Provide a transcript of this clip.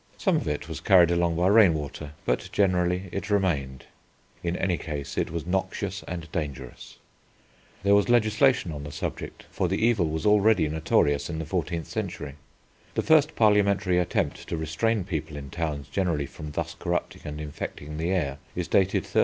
Some of it was carried along by rainwater, but generally it remained: in any case it was noxious and dangerous. There was legislation on the subject, for the evil was already notorious in the fourteenth century. The first parliamentary attempt to restrain people in towns generally from thus corrupting and infecting the air is dated 1388.